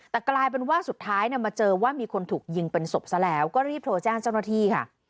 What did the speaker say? แต่กลายเป็นว่าสุดท้ายมาเจอว่ามีคนถูกยิงเป็นศพซะแล้วก็รีบโทรแจ้งเจ้าหน้าที่ค่ะ